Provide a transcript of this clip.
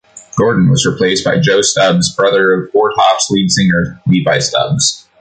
Gordon was replaced by Joe Stubbs, brother of Four Tops lead singer Levi Stubbs.